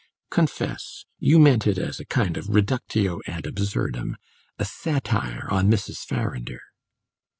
Confess you meant it as a kind of reductio ad absurdum a satire on Mrs. Farrinder?"